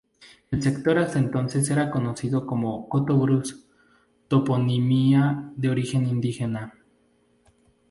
El sector hasta entonces era conocido sólo como Coto Brus, toponimia de origen indígena.